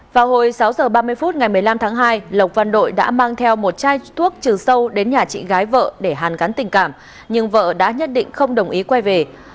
vào hồi sáu h ba mươi phút ngày một mươi năm tháng hai lộc văn đội đã mang theo một chai thuốc trừ sâu đến nhà chị gái vợ để hàn gắn tình cảm nhưng vợ đã nhất định không đồng ý quay về